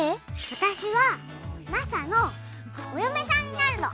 私はマサのお嫁さんになるの！